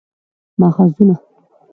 ماخذونه: